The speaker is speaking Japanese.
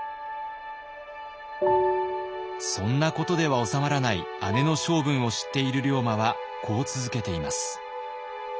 そんなことではおさまらない姉の性分を知っている龍馬はこう続けています。